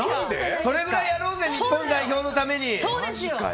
それぐらいやろうぜ日本代表のために！